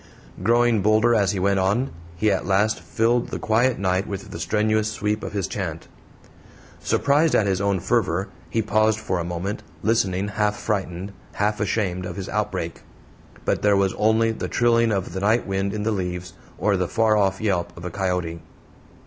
Growing bolder as he went on, he at last filled the quiet night with the strenuous sweep of his chant. Surprised at his own fervor, he paused for a moment, listening, half frightened, half ashamed of his outbreak. But there was only the trilling of the night wind in the leaves, or the far off yelp of a coyote.